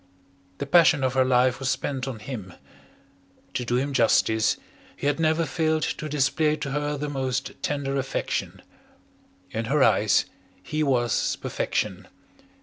The passion of her life was spent on him. To do him justice, he had never failed to display to her the most tender affection. In her eyes he was perfection.